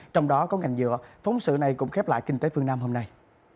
trong đó có ngành nhựa phóng sự này cũng khép lại kinh tế phương nam hôm nay